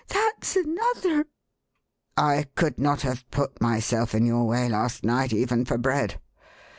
"That's another!11 " I could not have put myself in your way, last night, even for bread.